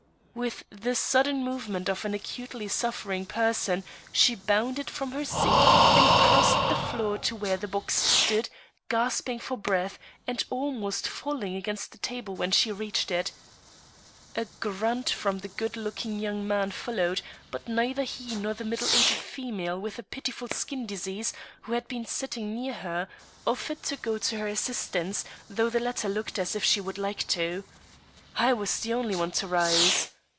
With the sudden movement of an acutely suffering person, she bounded from her seat and crossed the floor to where the box stood, gasping for breath, and almost falling against the table when she reached it. A grunt from the good looking young man followed; but neither he nor the middle aged female with a pitiful skin disease, who had been sitting near her, offered to go to her assistance, though the latter looked as if she would like to. I was the only one to rise.